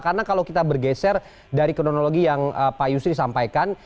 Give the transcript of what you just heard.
karena kalau kita bergeser dari kronologi yang pak yusri sampaikan